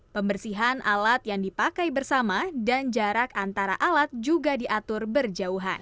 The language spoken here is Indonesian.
pembersihan alat yang dipakai bersama dan jarak antara alat juga diatur berjauhan